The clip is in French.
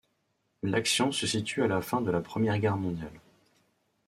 L'action se situe à la fin de la Première Guerre mondiale.